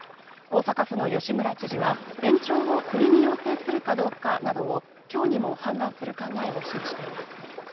大阪府の吉村知事は延長を国に要請するかどうかなどを、きょうにも判断する考えを示しています。